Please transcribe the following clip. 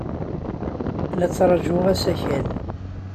La ttṛajuɣ asakal.